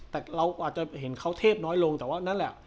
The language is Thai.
แต่เราอาจจะเห็นเขาเทพน้อยลงแต่ว่านั่นแหละ